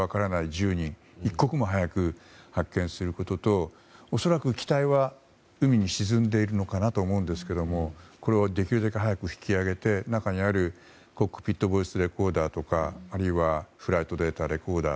１０人を一刻も早く発見することと恐らく機体は海に沈んでいるのかなと思うんですがこれをできるだけ早く引き揚げて中にあるコックピットボイスレコーダーとかフライトレコーダー